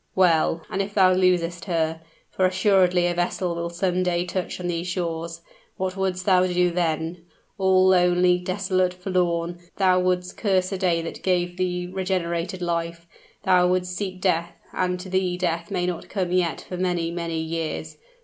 Well and if thou losest her? for assuredly a vessel will some day touch on these shores what would'st thou do then? All lonely, desolate, forlorn, thou would'st curse the day that gave thee regenerated life thou would'st seek death and to thee death may not come yet for many, many years!